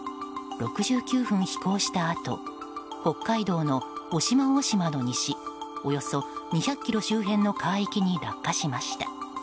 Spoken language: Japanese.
６９分飛行したあと北海道の渡島大島の西およそ２００ｋｍ周辺の海域に落下しました。